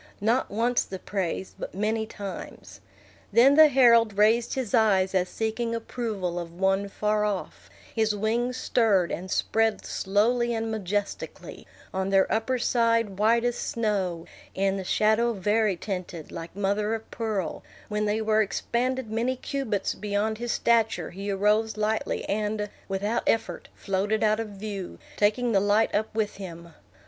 Not once the praise, but many times. Then the herald raised his eyes as seeking approval of one far off; his wings stirred, and spread slowly and majestically, on their upper side white as snow, in the shadow vari tinted, like mother of pearl; when they were expanded many cubits beyond his stature, he arose lightly, and, without effort, floated out of view, taking the light up with him.